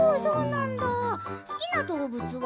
好きな動物は？